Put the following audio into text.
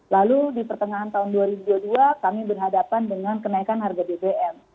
lalu di pertengahan tahun dua ribu dua puluh dua kami berhadapan dengan kenaikan harga bbm